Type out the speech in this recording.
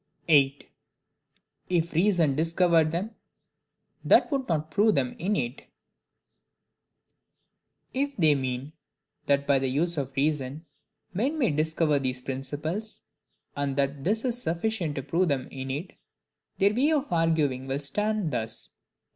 8. If Reason discovered them, that would not prove them innate. If they mean, that by the use of reason men may discover these principles, and that this is sufficient to prove them innate; their way of arguing will stand thus, viz.